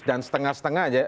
dan setengah setengah aja